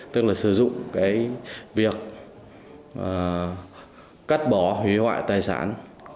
tức là sử dụng cái việc cắt bỏ hủy hoại tài sản